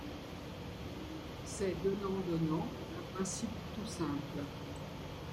C’est donnant-donnant, un principe tout simple.